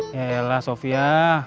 ya elah sofia